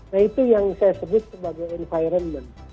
nah itu yang saya sebut sebagai environment